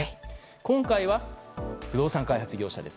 今回は不動産開発業者です。